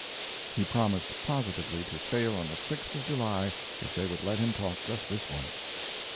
He promised positively to sail on the 6th of July if they would let him talk just this once.